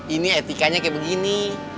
ini etikanya kayak begini